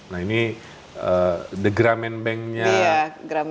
nah ini the gramen banknya of bandung